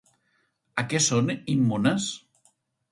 A què són immunes?